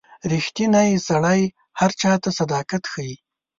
• ریښتینی سړی هر چاته صداقت ښيي.